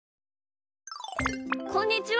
こんにちは！